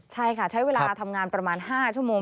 ใช่ค่ะใช้เวลาทำงานประมาณ๕ชั่วโมง